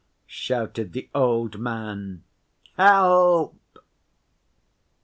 shouted the old man. "Help!"